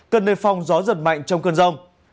cần nên phong gió giật mạnh trong cơn rông